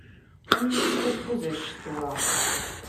Am yisɣi tḥuza ccetwa.